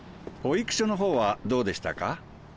保育所のほうはどうでしたか？